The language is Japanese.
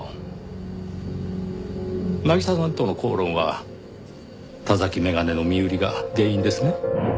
渚さんとの口論は田崎眼鏡の身売りが原因ですね？